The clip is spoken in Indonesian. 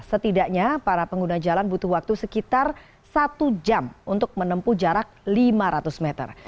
setidaknya para pengguna jalan butuh waktu sekitar satu jam untuk menempuh jarak lima ratus meter